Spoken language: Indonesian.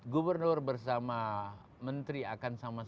gubernur bersama menteri akan sama sama